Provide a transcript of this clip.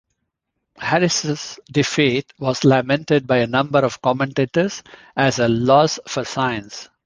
Harris' defeat was lamented by a number of commentators as a 'loss for science'.